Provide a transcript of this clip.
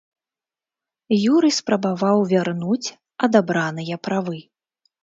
Юрый спрабаваў вярнуць адабраныя правы.